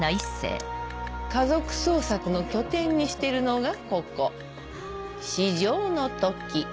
家族捜索の拠点にしてるのがここ「至上の時」。